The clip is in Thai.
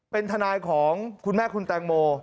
เป็นทนายของคุณแม่คุณแตงโม